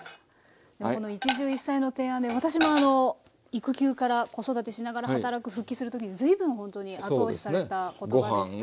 この一汁一菜の提案で私もあの育休から子育てしながら働く復帰する時に随分ほんとに後押しされた言葉でした。